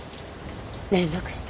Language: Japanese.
連絡した。